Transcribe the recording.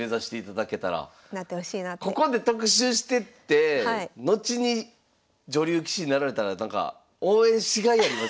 ここで特集してて後に女流棋士になられたらなんか応援しがいありますよね。